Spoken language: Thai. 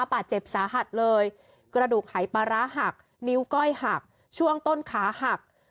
บาดเจ็บสาหัสเลยกระดูกหายปลาร้าหักนิ้วก้อยหักช่วงต้นขาหัก